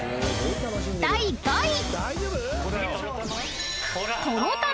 ［第５位］